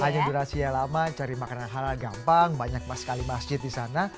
hanya durasi yang lama cari makanan halal gampang banyak sekali masjid di sana